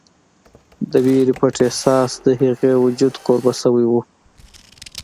د وېرې پټ احساس د هغې وجود کوربه شوی و